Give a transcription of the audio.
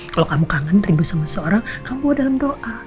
kalau kamu kangen rindu sama seorang kamu dalam doa